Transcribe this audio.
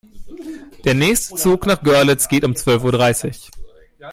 Der nächste Zug nach Görlitz geht um zwölf Uhr dreißig